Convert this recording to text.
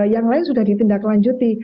yang lain sudah ditindaklanjuti